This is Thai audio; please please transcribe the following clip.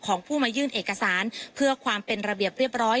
ของผู้มายื่นเอกสารเพื่อความเป็นระเบียบเรียบร้อย